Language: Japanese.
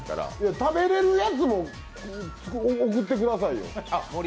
食べれるやつも送ってくださいよ。